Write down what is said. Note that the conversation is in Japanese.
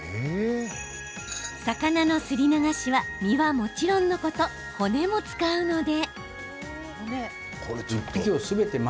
魚のすり流しは身はもちろんのこと骨も使うので。